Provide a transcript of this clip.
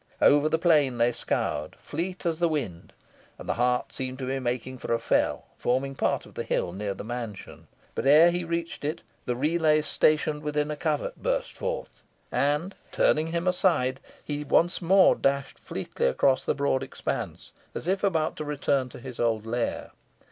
Over the plain they scoured, fleet as the wind, and the hart seemed making for a fell, forming part of the hill near the mansion. But ere he reached it, the relays stationed within a covert burst forth, and, turning him aside, he once more dashed fleetly across the broad expanse, as if about to return to his old lair.